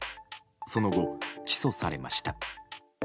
その後、起訴されました。